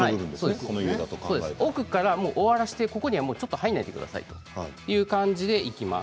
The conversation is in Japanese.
奥から終わらせてそこには入らないでくださいという感じでいきます。